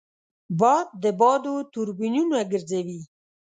باد د بادو توربینونه ګرځوي